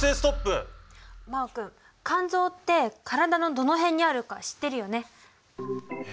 真旺君肝臓って体のどの辺にあるか知ってるよね？